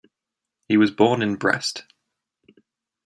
He was born in Brest.